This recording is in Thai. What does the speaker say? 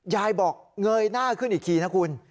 ยายบอกเงยหน้าขึ้นอีกทีนะคุณ